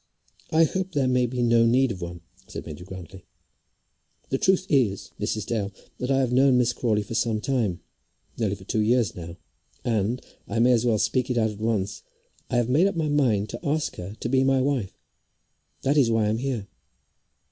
"I hope there may be no need of one," said Major Grantly. "The truth is, Mrs. Dale, that I have known Miss Crawley for some time, nearly for two years now, and I may as well speak it out at once, I have made up my mind to ask her to be my wife. That is why I am here."